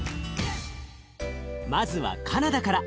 まずはカナダから。